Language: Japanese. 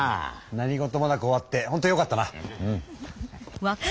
何事もなく終わってほんとよかったな。